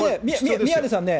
宮根さんね。